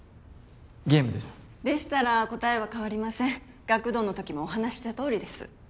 ゲームですでしたら答えは変わりません学童の時もお話ししたとおりです